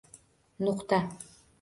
Nuqta